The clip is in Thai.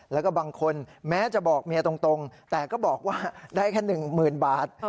แล้วก็บางคนแม้จะบอกเมียตรงแต่ก็บอกว่าได้แค่๑๐๐๐บาท